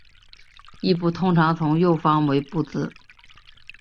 殳部通常从右方为部字。